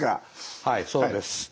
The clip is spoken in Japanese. はいそうです。